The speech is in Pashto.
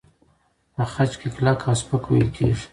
په خج کې کلک او سپک وېل کېږي.